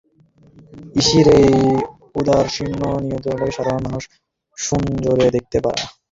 ইসির এই ঔদাসীন্য ও নিষ্ক্রিয়তাকে সাধারণ মানুষ সুনজরে দেখতে পারে না।